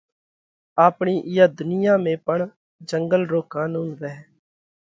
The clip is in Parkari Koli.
آپڻِي اِيئا ڌُنيا ۾ پڻ جنڳل رو قانُونَ وئھ۔